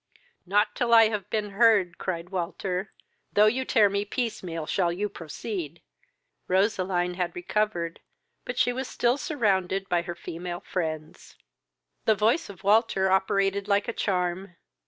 "Not till I have been heard, (cried Walter,) though you tear me piece meal, shall you proceed!" Roseline had recovered, but she was still surrounded by her female friends. The voice of Walter operated like a charm.